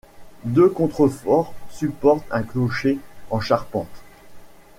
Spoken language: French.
Deux contreforts supportent un clocher en charpente.